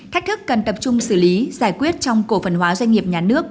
thách thức cần tập trung xử lý giải quyết trong cổ phần hóa doanh nghiệp nhà nước